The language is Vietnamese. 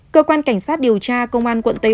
cơ quan cảnh sát điều tra công an quận tây hồ